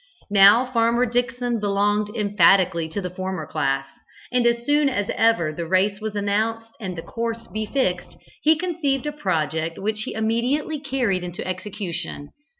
Now Farmer Dickson belonged emphatically to the former class, and as soon as ever the race was announced and the course fixed, he conceived a project which he immediately carried into execution.